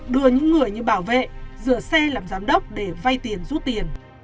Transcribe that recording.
đưa những người như bảo vệ rửa xe làm giám đốc để vay tiền rút tiền